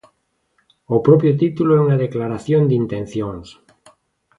O propio título é unha declaración de intencións.